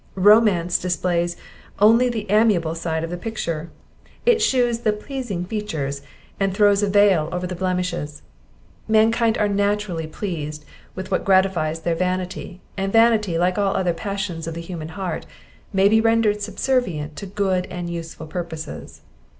Romance displays only the amiable side of the picture; it shews the pleasing features, and throws a veil over the blemishes: Mankind are naturally pleased with what gratifies their vanity; and vanity, like all other passions of the human heart, may be rendered subservient to good and useful purposes.